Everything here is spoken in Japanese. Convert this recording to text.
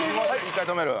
一回止める。